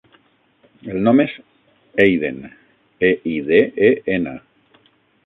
El nom és Eiden: e, i, de, e, ena.